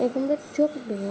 em cũng rất chúc ở đấy có